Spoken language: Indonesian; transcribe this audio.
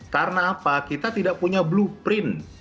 karena apa kita tidak punya blueprint